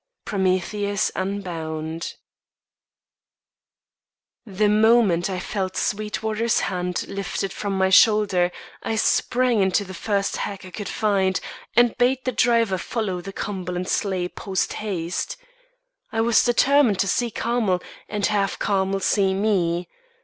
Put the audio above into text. Prometheus Unbound. The moment I felt Sweetwater's hand lifted from my shoulder I sprang into the first hack I could find, and bade the driver follow the Cumberland sleigh post haste. I was determined to see Carmel and have Carmel see me.